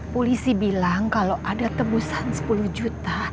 polisi bilang kalau ada tebusan sepuluh juta